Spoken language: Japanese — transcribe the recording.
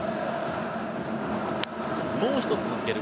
もう１つ続ける。